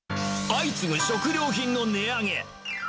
相次ぐ食料品の値上げ。